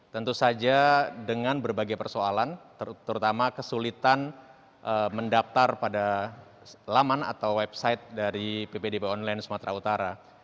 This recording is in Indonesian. tentu saja dengan berbagai persoalan terutama kesulitan mendaftar pada laman atau website dari ppdb online sumatera utara